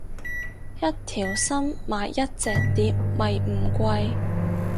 一條心買一隻碟咪唔貴